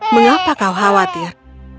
mengapa kau khawatir